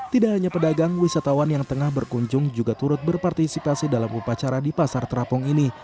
tidak hanya pedagang wisatawan yang tengah berkunjung juga turut berpartisipasi dalam upacara di pasar terapung ini